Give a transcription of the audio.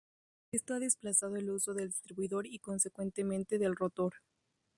Esto ha desplazado el uso del distribuidor y consecuentemente del rotor.